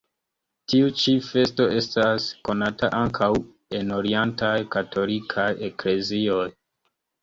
Tiu ĉi festo estas konata ankaŭ en orientaj katolikaj eklezioj.